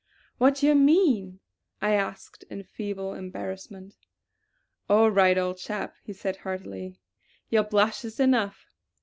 "What do you mean?" I asked in feeble embarrassment. "All right, old chap!" he said heartily. "Your blush is enough.